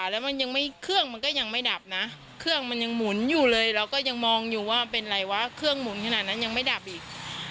แล้วมันยังไม่เครื่องมันก็ยังไม่ดับนะเครื่องมันยังหมุนอยู่เลยเราก็ยังมองอยู่ว่ามันเป็นอะไรวะเครื่องหมุนขนาดนั้นยังไม่ดับอีก